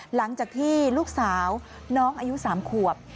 หลังจากที่ลูกสาวน้องอายุ๓ขวบ